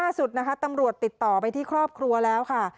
สุดนะคะตำรวจติดต่อไปที่ครอบครัวแล้วค่ะ